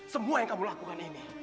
semua yang kamu lakukan ini